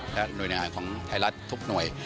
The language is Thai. และหน่วยงานของไทยรัฐทุกหน่วย